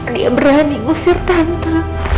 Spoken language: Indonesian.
dia berani ngusir tata